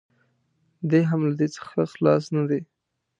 دی هم له دې څخه خلاص نه دی.